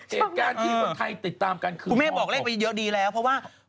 เหตุการณ์ที่ไทยติดตามกันคือคุณแม่บอกเล็กไปเยอะดีแล้ว